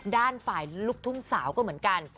ด้านฝ่ายลูกทุ่งสาวก็เหมือนกัน